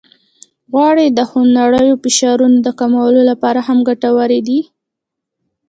غوړې د خونړیو فشارونو د کمولو لپاره هم ګټورې دي.